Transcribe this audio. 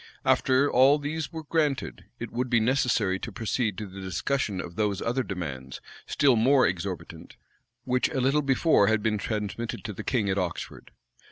After all these were granted, it would be necessary to proceed to the discussion of those other demands, still more exorbitant, which a little before had been transmitted to the king at Oxford.